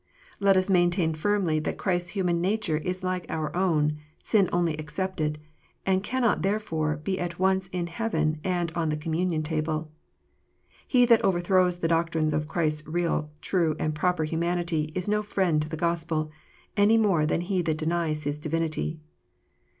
Let us maintain firmly that Christ s human nature is like our own, sin only excepted, and cannot therefore be at once in heaven and on the Communion Table. He that overthrows the doctrine of Christ s real, true, and proper humanity, is no friend to the Gospel, any more than he that denies His divinity.